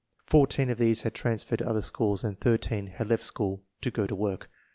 Fourteen of these had transferred to other schools and IS had left school "to go to work."